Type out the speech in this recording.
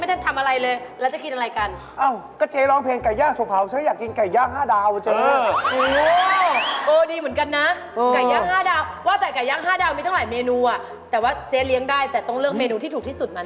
เจ้าจะถูกไปเสียบเสียบตูนซ้ายเสียบตูนขวา